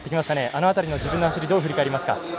あの辺りの自分の走りどう振り返りますか？